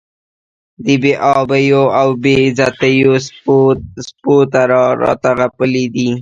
د بې آبیو او بې عزتیو سپو راته غپلي دي.